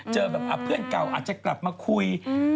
เพื่อนเก่าอาจจะกลับมาคุย